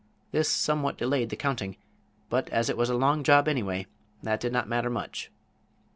This somewhat delayed the counting, but as it was a long job, anyway, that did not matter much.